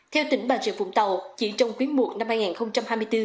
theo tỉnh bà trị phùng tàu chỉ trong quyến muộn năm hai nghìn hai mươi bốn